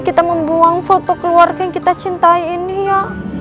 kita membuang foto keluarga yang kita cintai ini ya